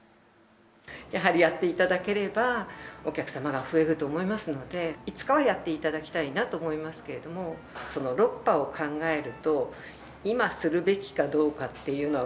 やはりやっていただければ、お客様が増えると思いますので、いつかはやっていただきたいなと思いますけれども、６波を考える